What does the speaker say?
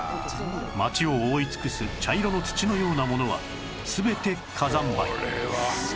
街を覆い尽くす茶色の土のようなものは全て火山灰